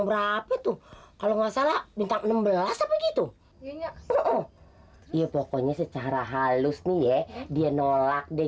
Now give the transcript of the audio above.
berapa tuh kalau nggak salah bintang enam belas begitu iya pokoknya secara halus nih ya dia nolak deh